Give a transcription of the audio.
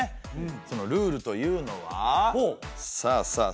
そのルールというのはさあさあ。